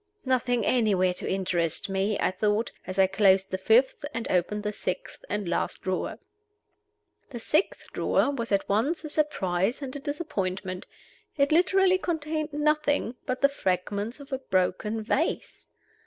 "Nothing anywhere to interest me," I thought, as I closed the fifth, and opened the sixth and last drawer. The sixth drawer was at once a surprise and a disappointment. It literally contained nothing but the fragments of a broken vase.